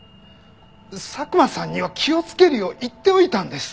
佐久間さんには気をつけるよう言っておいたんです！